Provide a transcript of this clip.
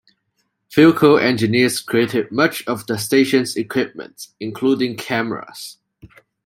Philco engineers created much of the station's equipment, including cameras.